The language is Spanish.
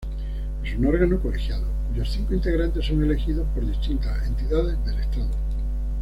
Es un órgano colegiado, cuyos cinco integrantes son elegidos por distintas entidades del Estado.